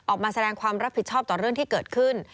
ออกมาแสดงความรับผิดชอบต่อเรื่องที่เกิดขึ้น